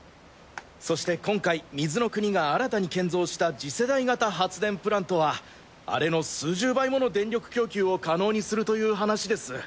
そして今回水の国が新たに建造した次世代型発電プラントはあれの数十倍もの電力供給を可能にするという話です。